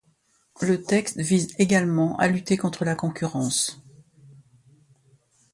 Le texte vise également à lutter contre la concurrence.